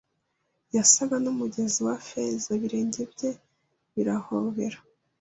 yasaga n'umugezi wa feza, ibirenge bye birahobera